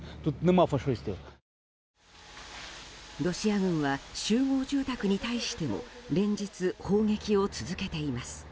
ロシア軍は集合住宅に対しても連日、砲撃を続けています。